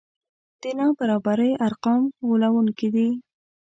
د نابرابرۍ ارقام غولوونکي دي.